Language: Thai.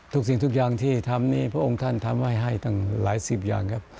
สิ่งทุกอย่างที่ทำนี้พระองค์ท่านทำให้ให้ตั้งหลายสิบอย่างครับ